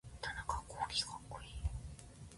田中洸希かっこいい